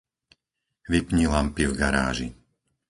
Vypni lampy v garáži.